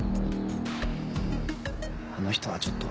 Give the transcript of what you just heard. あの人はちょっと。